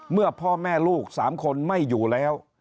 พ่อแม่ลูก๓คนไม่อยู่แล้ว